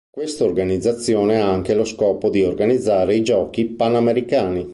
Quest'organizzazione ha anche lo scopo di organizzare i Giochi panamericani.